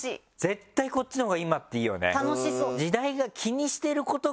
絶対こっちのほうが今っていいよね時代が。